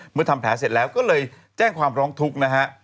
ทำแผลเสร็จแล้วก็เลยแจ้งความร้องทุกข์นะฮะ